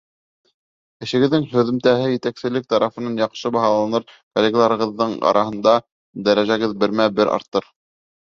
Эшегеҙҙең һөҙөмтәһе етәкселек тарафынан яҡшы баһаланыр, коллегаларығыҙ араһында дәрәжәгеҙ бермә-бер артыр.